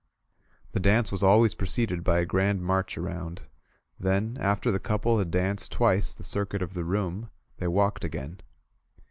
The dance was always preceded by a grand march around; then, after the couple had danced twice the circuit of the room, they walked again.